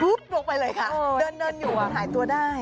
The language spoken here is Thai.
ลงไปเลยค่ะเดินอยู่หายตัวได้